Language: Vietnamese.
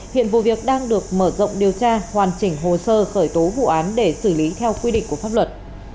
hiện vụ việc đang được mở rộng điều tra hoàn chỉnh hồ sơ khởi tố vụ án để xử lý theo quy định của pháp luật